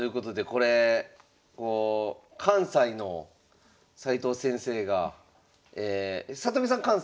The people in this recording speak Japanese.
これ関西の斎藤先生が里見さん